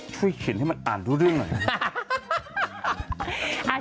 ช่วยขินให้มันอ่านทุกเรื่องหน่อย